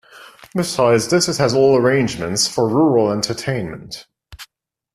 Besides this, it has all arrangements for rural entertainment.